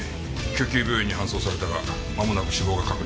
救急病院に搬送されたがまもなく死亡が確認された。